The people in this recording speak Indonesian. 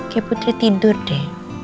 kayak putri tidur deh